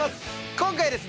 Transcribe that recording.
今回ですね